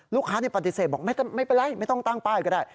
ปฏิเสธบอกไม่เป็นไรไม่ต้องตั้งป้ายก็ได้